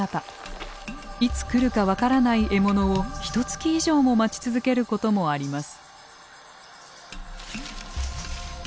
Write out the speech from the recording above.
いつ来るか分からない獲物をひとつき以上も待ち続けることもあります。